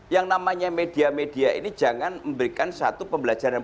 yang namanya media media ini jangan memberikan suatu pembelajaran